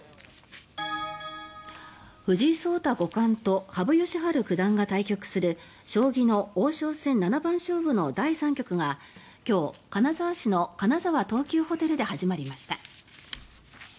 藤井聡太五冠と羽生善治九段が対局する将棋の王将戦七番勝負の第３局が今日、金沢市の金沢東急ホテルで始まりました。